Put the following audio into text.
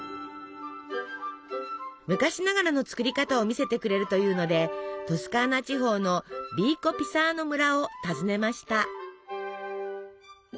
昔ながらの作り方を見せてくれるというのでトスカーナ地方のヴィーコピサーノ村を訪ねました。